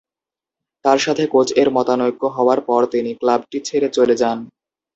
তার সাথে কোচ এর মতানৈক্য হওয়ার পর তিনি ক্লাবটি ছেড়ে চলে যান।